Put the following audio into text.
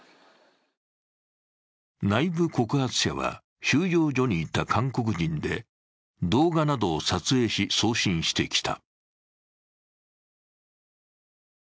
内部告発者は収容所にいた韓国人で、動画などを撮影し、送信してきた。